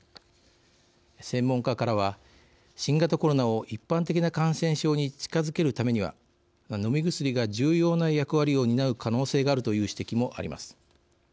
専門家からは、新型コロナを一般的な感染症に近づけるためには「飲み薬が重要な役割を担う可能性がある」という指摘もあります。